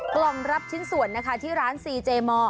กล่องรับชิ้นส่วนนะคะที่ร้านซีเจมอร์